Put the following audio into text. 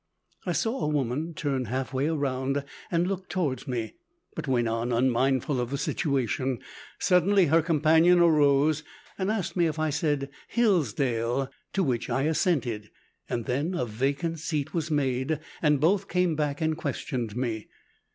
I saw a woman turn half way round and look towards me, but went on unmindful of the situation. Suddenly her companion arose and asked me if I said Hillsdale, to which I assented, and then a vacant seat was made and both came back and questioned me.